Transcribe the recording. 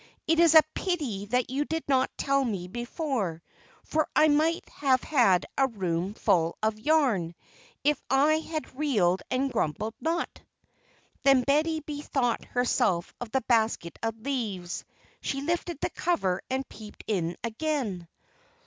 It's a pity that you did not tell me before, for I might have had a room full of yarn, if I had reeled and grumbled not." Then Betty bethought herself of the basket of leaves. She lifted the cover and peeped in again.